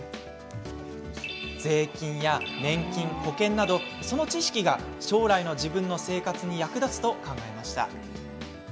税金や年金、保険などその知識が将来の自分の生活に役立つと考えました。